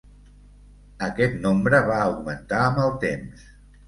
Aquest nombre va augmentar amb el temps.